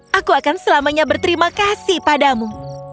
tentuku dan aku akan selamanya berterima kasih padamu